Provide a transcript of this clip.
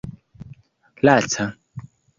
laca